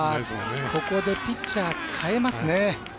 ここでピッチャー代えますね。